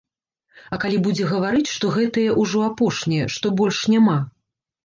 А калі будзе гаварыць, што гэтыя ўжо апошнія, што больш няма?